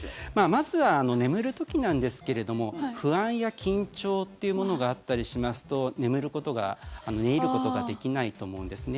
まずは眠る時なんですけれども不安や緊張というものがあったりしますと眠ることが、寝入ることができないと思うんですね。